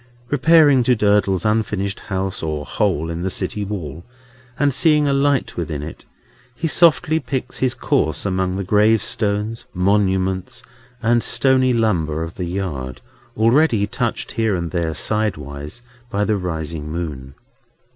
Repairing to Durdles's unfinished house, or hole in the city wall, and seeing a light within it, he softly picks his course among the gravestones, monuments, and stony lumber of the yard, already touched here and there, sidewise, by the rising moon.